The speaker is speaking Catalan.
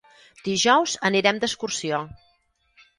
Dijous anirem d'excursió.